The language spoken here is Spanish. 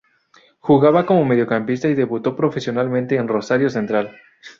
Jugaba como mediocampista y debutó profesionalmente en Rosario Central.